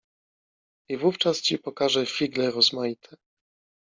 I wówczas ci pokażę figle rozmaite